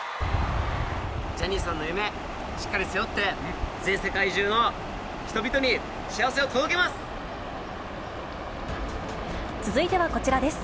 ジャニーさんの夢、しっかり背負って、全世界中の人々に幸せを届けます！